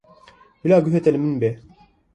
Bila guhê te li min be.